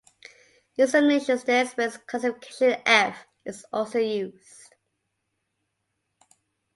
In some nations the airspace classification F is also used.